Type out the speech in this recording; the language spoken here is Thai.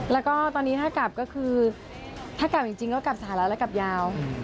แล้วก็ตอนนี้ถ้ากลับก็คือถ้ากลับจริงก็กลับสหรัฐแล้วกลับยาว